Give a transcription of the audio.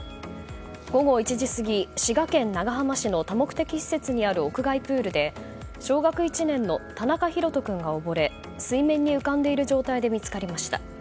午後１時過ぎ滋賀県長浜市の多目的施設にある屋外プールで小学１年の田中大翔君がおぼれ水面に浮かんでいる状態で見つかりました。